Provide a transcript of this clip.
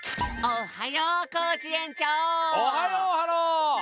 おはよう！